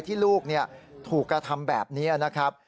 ที่ลูกถูกกระทำแบบนี้นะครับ